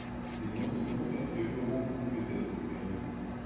Sie muss ohne Verzögerung umgesetzt werden.